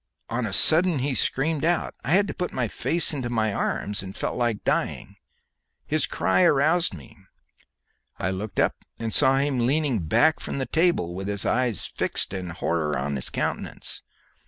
On a sudden he screamed out. I had put my face into my arms, and felt myself dying. His cry aroused me. I looked up, and saw him leaning back from the table with his eyes fixed and horror in his countenance.